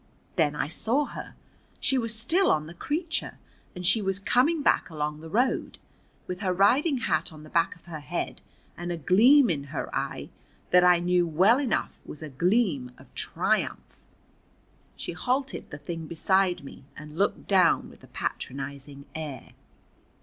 Then I saw her. She was still on the creature, and she was coming back along the road, with her riding hat on the back of her head and a gleam in her eye that I knew well enough was a gleam of triumph. She halted the thing beside me and looked down with a patronizing air.